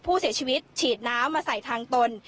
ผู้เสียชีวิตฉีดน้ำมาใส่ทางตน